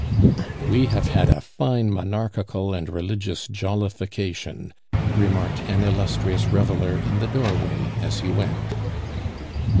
"We have had a fine Monarchical and Religious jollification," remarked an illustrious reveler in the doorway as he went.